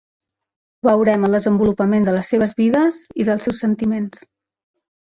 Veurem el desenvolupament de les seves vides i dels seus sentiments.